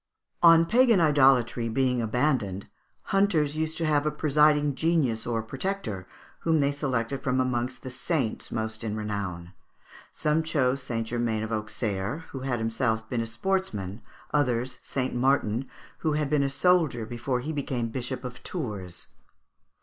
On pagan idolatry being abandoned, hunters used to have a presiding genius or protector, whom they selected from amongst the saints most in renown. Some chose St. Germain d'Auxerre, who had himself been a sportsman; others St. Martin, who had been a soldier before he became Bishop of Tours.